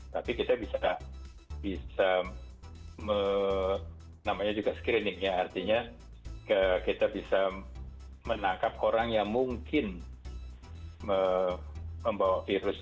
tapi kita bisa bisa menangkap orang yang mungkin membawa virus